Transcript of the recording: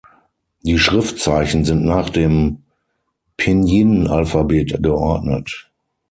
Die Schriftzeichen sind nach dem Pinyin-Alphabet geordnet.